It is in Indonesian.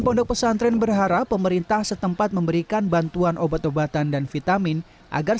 pondok pesantren berharap pemerintah setempat memberikan bantuan obat obatan dan vitamin agar